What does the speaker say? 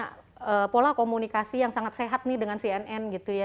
ada pola komunikasi yang sangat sehat nih dengan cnn gitu ya